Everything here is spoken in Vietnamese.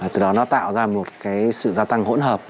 từ đó nó tạo ra một cái sự gia tăng hỗn hợp